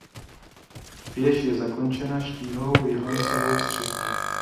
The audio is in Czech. Věž je zakončena štíhlou jehlancovou střechou.